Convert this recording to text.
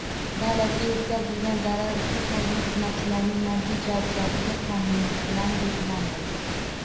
Davlatga yetkazilgan zarar uchun harbiy xizmatchilarning moddiy javobgarligi qonun bilan belgilandi